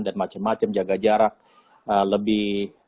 dan macem macem jaga jarak lebih